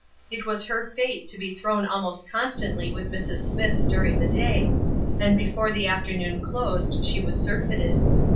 It was her fate to be thrown almost constantly with Mrs. Smithe during the day, and before the afternoon closed she was surfeited.